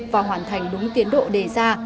và hoàn thành đúng tiến độ đề ra